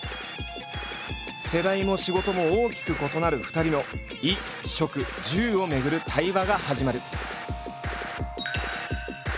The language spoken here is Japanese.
世代も仕事も大きく異なる２人の衣・食・住をめぐる対話が始まる！